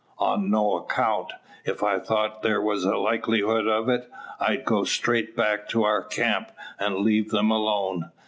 "On no account. If I thought there was a likelihood of it, I'd go straight back to our camp, and leave them alone.